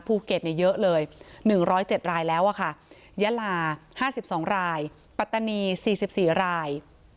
ภูเก็ตเยอะเลย๑๐๗รายแล้วค่ะยาลา๕๒รายปัตตานี๔๔ราย